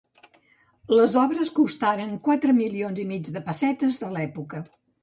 Les obres costaren quatre milions i mig de pessetes de l'època.